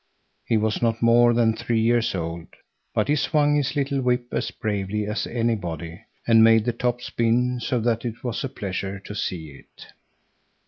He was not more than three years old, but he swung his little whip as bravely as anybody and made the top spin so that it was a pleasure to see it.